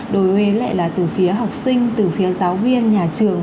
đối với lại là từ phía học sinh từ phía giáo viên nhà trường